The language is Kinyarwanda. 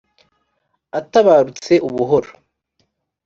Atabarutse ubuhoro,